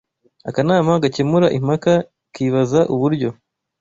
akanama gakemura impaka kibaza uburyo